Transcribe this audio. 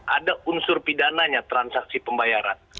ada unsur pidananya transaksi pembayaran